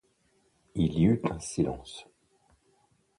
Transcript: il y eut un silence